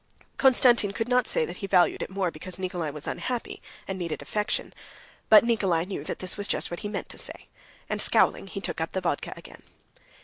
Konstantin could not say that he valued it more because Nikolay was unhappy, and needed affection. But Nikolay knew that this was just what he meant to say, and scowling he took up the vodka again.